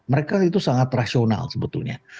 mereka itu sangat rasional sebetulnya